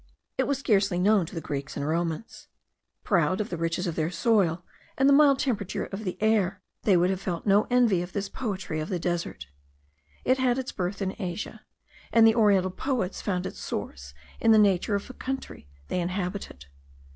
It was scarcely known to the Greeks and Romans. Proud of the riches of their soil, and the mild temperature of the air, they would have felt no envy of this poetry of the desert. It had its birth in Asia; and the oriental poets found its source in the nature of the country they inhabited.